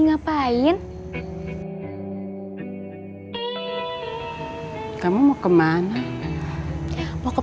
mamanku langsung berhenti makan